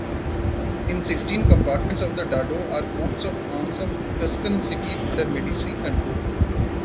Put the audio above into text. In sixteen compartments of the dado are coats-of-arms of Tuscan cities under Medici control.